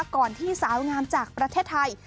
ก่อนที่สาวงามจากประเทศไทย